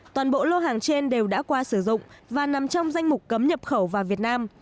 toàn bộ lô hàng trên đều đã qua sử dụng và nằm trong danh mục cấm nhập khẩu vào việt nam